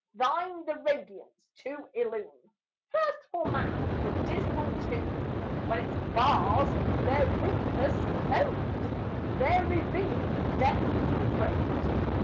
Thine the radiance to illume First, for man, the dismal tomb, When its bars their weakness owned, There revealing death dethroned.